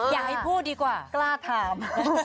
อย่าให้พูดดีกว่ากล้าถาม